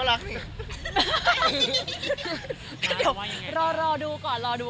อะไรอย่างนี้